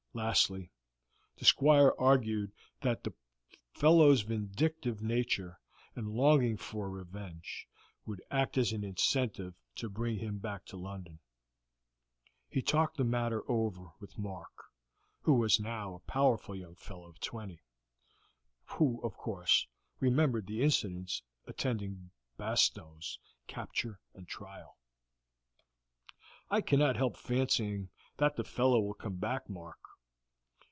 Lastly, the Squire argued that the fellow's vindictive nature and longing for revenge would act as an incentive to bring him back to London. He talked the matter over with Mark, who was now a powerful young fellow of twenty, who, of course, remembered the incidents attending Bastow's capture and trial. "I cannot help fancying that the fellow will come back, Mark."